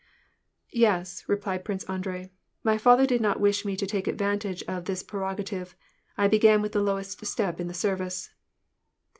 "Yes," replied Prince Andrei. "My father did not wish me to take advantage of this prerogative : I began with the lowest step in the service."